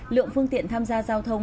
lượng phương tiện tham gia giao thông